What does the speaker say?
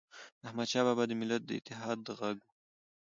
احمدشاه بابا د ملت د اتحاد ږغ و.